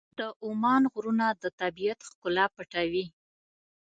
د عمان غرونه د طبیعت ښکلا پټوي.